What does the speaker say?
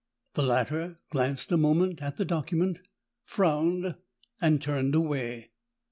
The latter glanced a moment at the document, frowned, and turned away.